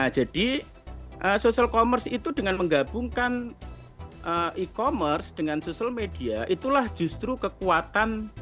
jadi sosial commerce itu dengan menggabungkan e commerce dengan sosial media itulah justru kekuatan